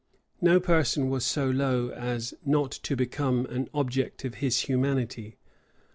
No person was so low as not to become an object of his humanity.